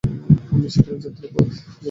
তারা সেখানে যাত্রা করে।